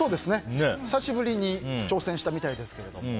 久しぶりに挑戦したみたいですけども。